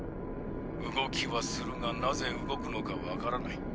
動きはするがなぜ動くのか分からない。